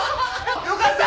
よかった！